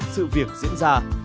sự việc diễn ra